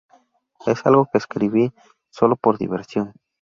Es algo que escribí sólo por diversión.